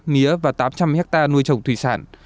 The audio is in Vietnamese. mía và tám trăm linh hectare nuôi trồng thủy sản